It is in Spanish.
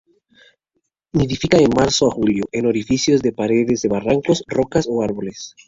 Nidifica de marzo a julio en orificios de paredes de barrancos, rocas o árboles.